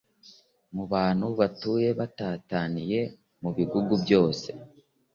Mu bantu batuye batataniye mu bigugu byose